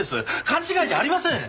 勘違いじゃありません！